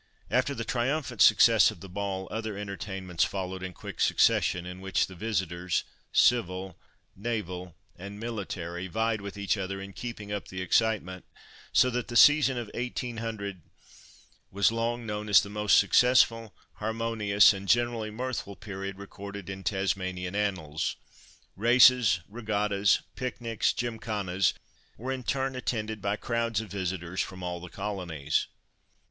After the triumphant success of the ball, other entertainments followed in quick succession, in which the visitors, civil, naval and military, vied with each other in keeping up the excitement, so that the season of 18— was long known as the most successful, harmonious, and generally mirthful period recorded in Tasmanian annals. Races, regattas, picnics, gymkhanas, were in turn attended by crowds of visitors from all the colonies.